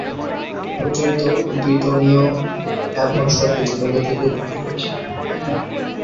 প্রচলিত ব্রিটোনীয় অ্যাভন শব্দটি "নদী" থেকে উদ্ভূত হয়েছে।